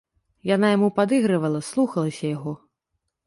Яна яму падыгрывала, слухалася яго.